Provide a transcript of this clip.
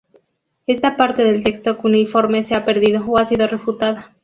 Esta parte del texto cuneiforme se ha perdido, o ha sido refutada.